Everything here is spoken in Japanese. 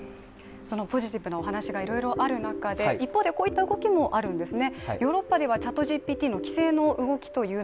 ポジティブなお話がいろいろある中で一方でこういった動きもあるんですね。